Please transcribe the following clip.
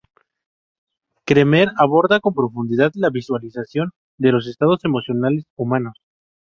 Cremer aborda con profundidad la visualización de los estados emocionales humanos.